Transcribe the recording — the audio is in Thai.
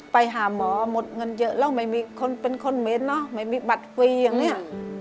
ไปหาหมอหมดเงินเยอะแล้วไม่มีคนเป็นคนเหม็นเนอะไม่มีบัตรฟรีอย่างนี้